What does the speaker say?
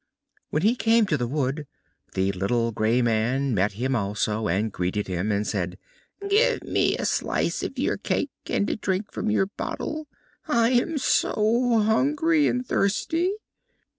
When he came to the wood the little grey man met him also, and greeted him, and said: "Give me a slice of your cake and a drink from your bottle; I am so hungry and thirsty."